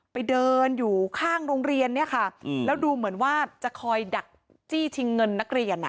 ไปเดินอยู่ข้างโรงเรียนเนี่ยค่ะแล้วดูเหมือนว่าจะคอยดักจี้ชิงเงินนักเรียน